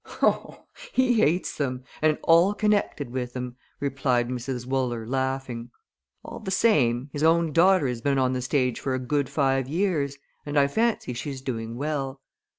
"Oh, he hates them, and all connected with them!" replied Mrs. Wooler, laughing. "All the same, his own daughter has been on the stage for a good five years, and I fancy she's doing well.